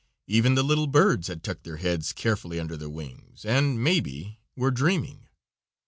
Even the little birds had tucked their heads carefully under their wings and, maybe, were dreaming.